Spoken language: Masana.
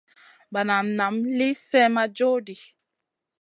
Banan naam lì slèh ma john ɗi.